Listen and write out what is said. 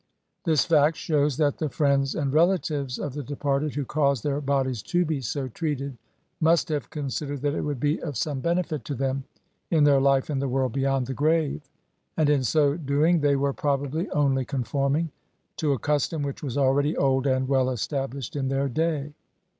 This fact shews that the friends and rela tives of the departed who caused their bodies to be so treated must have considered that it would be of some benefit to them in their life in the world beyond the grave, and in so doing they were, probably, only XLII INTRODUCTION. conforming to a custom which was already old and well established in their day.